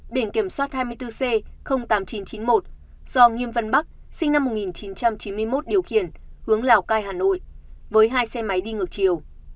biển kiểm soát hai mươi bốn c tám nghìn chín trăm chín mươi một do nghiêm văn bắc sinh năm một nghìn chín trăm chín mươi một điều khiển hướng lào cai hà nội với hai xe máy đi ngược chiều